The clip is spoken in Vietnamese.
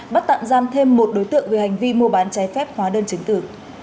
bắt tạm giam thêm một đối tượng về hành vi mua bán trái phép hóa đơn chứng tử